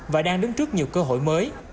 và đang đứng trước nhiều cơ hội mới